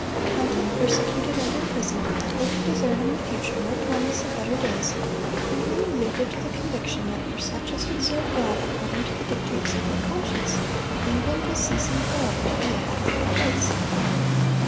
(431) Hunted, persecuted, and imprisoned, they could discern in the future no promise of better days, and many yielded to the conviction that for such as would serve God according to the dictates of their conscience, "England was ceasing forever to be a habitable place."